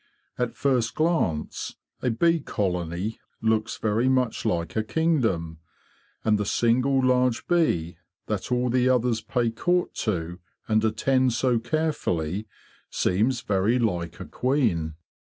At first glance a bee colony looks very much like a kingdom; and the single large bee, that all the others pay court to and attend so carefully, seems very like a queen.